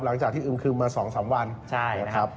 หลังจากที่อึมคืมมา๒๓วันนะครับใช่นะครับ